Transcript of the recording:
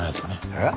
えっ？